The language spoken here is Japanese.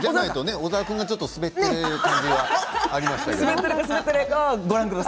小沢君がちょっと滑っている感じがありましたね。